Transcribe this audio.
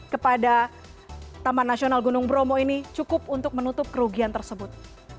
kepada taman nasional gunung bromo ini cukup untuk menutup kerugian tersebut